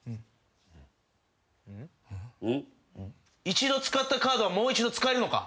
一度使ったカードはもう一度使えるのか？